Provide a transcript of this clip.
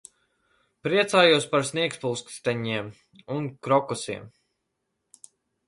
Priecājos par sniegpulksteņiem un krokusiem.